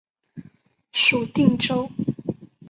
属定州。